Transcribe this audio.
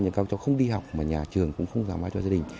nhưng các cháu không đi học mà nhà trường cũng không ra ngoài cho gia đình